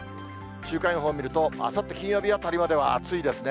週間予報を見ると、あさって金曜日あたりまでは暑いですね。